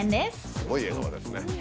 すごい笑顔ですね。